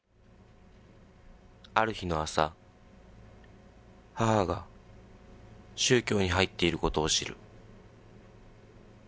ある日の朝、母が宗教に入っていることを知る。